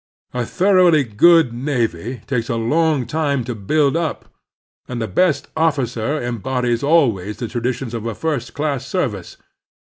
A thor oughly good navy takes a long time to build up, and the best officer embodies always the traditions of a first class service.